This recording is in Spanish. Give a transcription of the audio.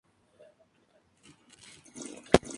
Los otros dos discos nunca fueron grabados.